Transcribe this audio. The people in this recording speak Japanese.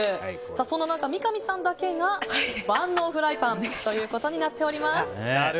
そんな中、三上さんだけが万能フライパンとなっています。